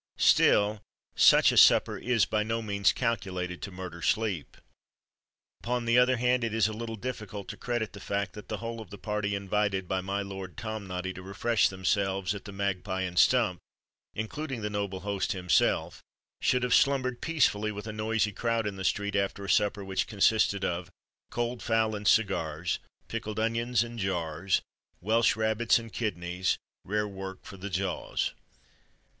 Still, such a supper is by no means calculated to "murder sleep." Upon the other hand it is a little difficult to credit the fact that the whole of the party invited by "My Lord Tomnoddy" to refresh themselves at the "Magpie and Stump," including the noble host himself, should have slumbered peacefully, with a noisy crowd in the street, after a supper which consisted of "Cold fowl and cigars, Pickled onions in jars, Welsh rabbits and kidneys, Rare work for the jaws."